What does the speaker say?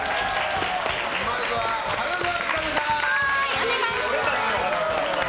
お願いします。